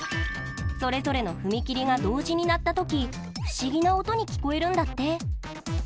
それぞれの踏切が同時に鳴ったとき不思議な音に聞こえるんだって。